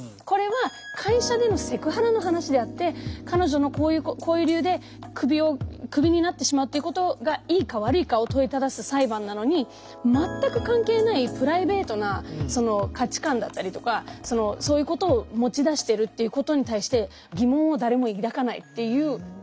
これは会社でのセクハラの話であって彼女のこういう理由でクビになってしまうってことがいいか悪いかを問いただす裁判なのに全く関係ないプライベートなその価値観だったりとかそういうことを持ち出してるっていうことに対して疑問を誰も抱かないっていう。